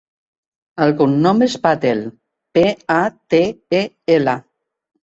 El cognom és Patel: pe, a, te, e, ela.